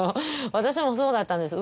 私もそうだったんです